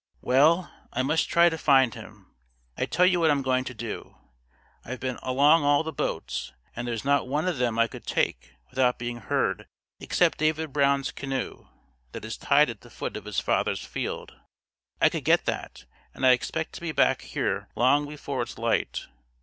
"Well, I must try to find him. I tell you what I'm going to do. I've been along all the boats, and there's not one of them I could take without being heard except David Brown's canoe that is tied at the foot of his father's field. I could get that, and I expect to be back here long before it's light.